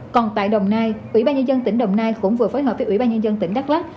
còn tại đồng nai ủy ban nhân dân tỉnh đồng nai cũng vừa phối hợp với ủy ban nhân dân tỉnh đắk lắc